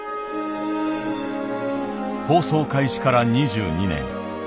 放送開始から２２年。